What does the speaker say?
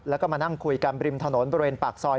แล้วก็มานั่งคุยกันริมถนนบริเวณปากซอย